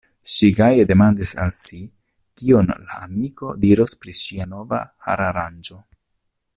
Ŝi gaje demandis al si, kion la amiko diros pri ŝia nova hararanĝo.